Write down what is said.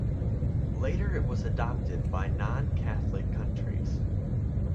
Later, it was adopted by non-Catholic countries.